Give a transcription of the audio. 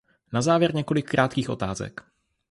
Na závěr několik krátkých otázek.